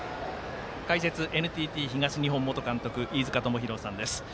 解説、ＮＴＴ東日本元監督飯塚智広さんです。